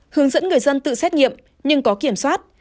hướng dẫn người dân tự xét nghiệm nhưng có kiểm soát